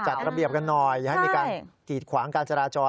จัดระเบียบกันหน่อยอย่าให้มีการกีดขวางการจราจร